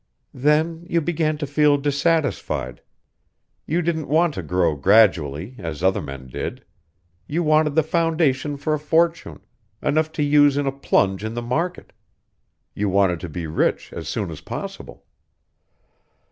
"Then you began to feel dissatisfied. You didn't want to grow gradually, as other men did. You wanted the foundation for a fortune enough to use in a plunge in the market. You wanted to be rich as soon as possible.